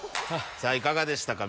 いかがでしたか？